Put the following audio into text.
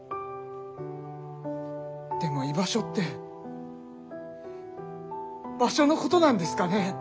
でも居場所って場所のことなんですかね？